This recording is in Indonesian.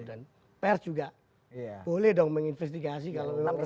dan pers juga boleh dong menginvestigasi kalau memang mau